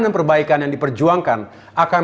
perbaikan yang diperjuangkan akan